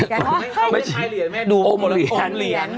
เขาไม่ใช่ไทยเหรียญแม่ดูโอมเหรียญ